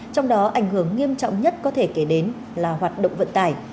trong đó ảnh hưởng nghiêm trọng nhất có thể kể đến là hoạt động vận tải